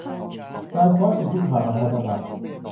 การคว้าสิ่งที่ผ่านมาทันจังหวะ